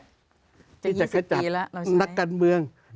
จาก๒๐ปีแล้วใช่ไหมที่นะนักการเมือง